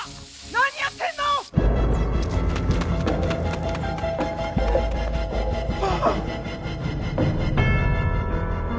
何やってんの⁉あぁ！